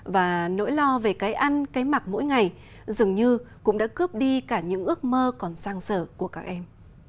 và nỗi lo về cái ăn cái mặc mỗi ngày dường như cũng đã cướp đi cả những ước mơ còn sang sở của các em